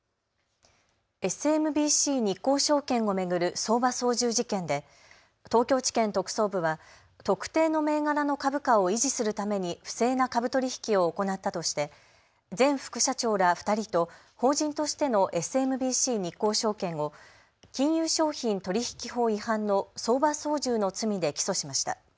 ＳＭＢＣ日興証券を巡る相場操縦事件で東京地検特捜部は特定の銘柄の株価を維持するために不正な株取引を行ったとして前副社長ら２人と法人としてのＳＭＢＣ日興証券を金融商品取引法違反の相場操縦の罪で起訴しました。